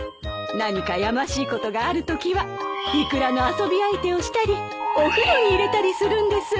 何かやましいことがあるときはイクラの遊び相手をしたりお風呂に入れたりするんです。